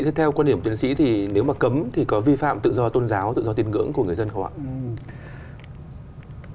theo quan điểm tiến sĩ thì nếu mà cấm thì có vi phạm tự do tôn giáo tự do tiền ngưỡng của người dân không ạ